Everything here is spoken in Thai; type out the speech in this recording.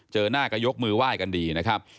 เจอหน้าก็ยกมือไหว้กันดีนะครับ